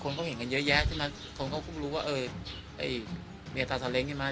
คนก็เห็นกันเยอะแยะใช่ไหมคนก็คงรู้ว่าเออไอ้เมียตาซาเล้งใช่ไหม